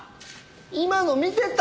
今の見てた！？